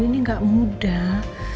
ini gak mudah